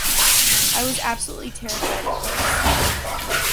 I was absolutely terrified at first.